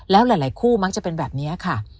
แล้วหลายคู่มักจะเป็นแบบนี้ค่ะ